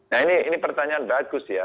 nah ini pertanyaan bagus ya